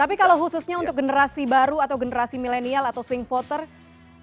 tapi kalau khususnya untuk generasi baru atau generasi milenial atau swing voter ini berpengaruh enggak